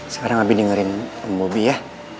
sekarang abi dengerin om bobi ya